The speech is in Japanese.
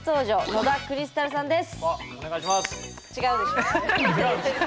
野田クリスタルです。